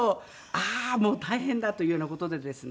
ああもう大変だ！というような事でですね